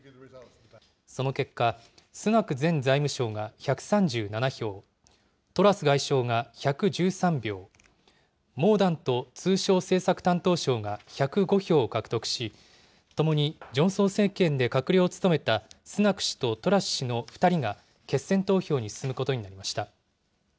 その結果、スナク前財務相が１３７票、トラス外相が１１３票、モーダント通商政策担当相が１０５票を獲得し、ともにジョンソン政権で閣僚を務めたスナク氏とトラス氏の２人が決選投票に進むことになりました。